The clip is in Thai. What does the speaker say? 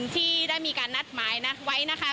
ที่ได้มีการนัดหมายไว้นะคะ